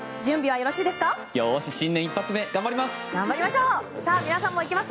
よし、新年一発目頑張ります！